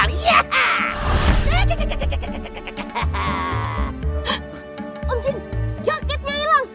om jin jaketnya hilang